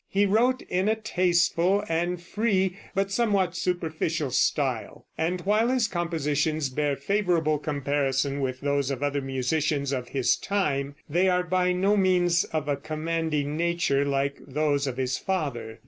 He wrote in a tasteful and free, but somewhat superficial, style; and while his compositions bear favorable comparison with those of other musicians of his time, they are by no means of a commanding nature like those of his father.